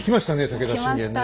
武田信玄ね。